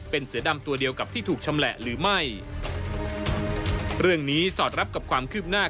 เป็นเสือดำตัวเดียวกับที่ถูกชำแหละหรือไม่เรื่องนี้สอดรับกับความคืบหน้า